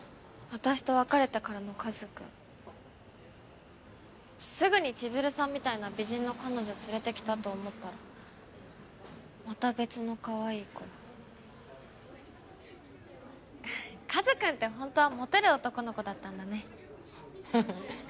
私と別れてからの和くんすぐに千鶴さんみたいな美人の彼女連れてきたと思ったらまた別のかわいい子を和くんってほんとはモテる男の子だったんだねハハ